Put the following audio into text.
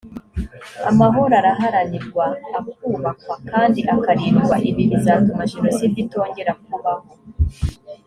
amahoro araharanirwa akubakwa kandi akarindwa ibi bizatuma jenoside itongera kubaho